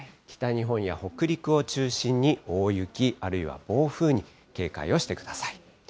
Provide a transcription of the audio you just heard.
北日本や北陸を中心に大雪、あるいは暴風に警戒をしてください。